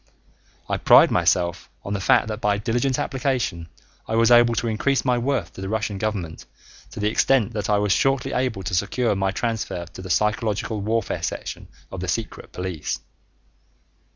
I pride myself on the fact that by diligent application I was able to increase my worth to the Russian government to the extent that I was shortly able to secure my transfer to the psychological warfare section of the secret police.